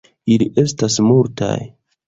Ili estas multaj.